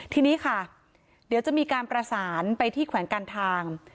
ทีนี้ค่ะเดี๋ยวจะมีการประสานไปที่แขวงการทาง